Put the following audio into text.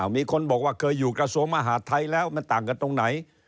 มีคนบอกว่าเคยอยู่กระทรวงมหาดไทยแล้วมันต่างกันตรงไหน